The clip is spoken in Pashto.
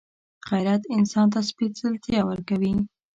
غیرت انسان ته سپېڅلتیا ورکوي